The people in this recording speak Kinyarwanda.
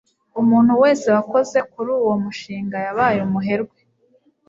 umuntu wese wakoze kuri uwo mushinga yabaye umuherwe